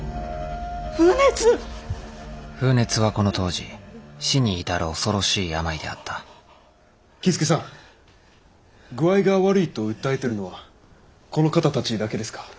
風熱はこの当時死に至る恐ろしい病であった僖助さん具合が悪いと訴えてるのはこの方たちだけですか？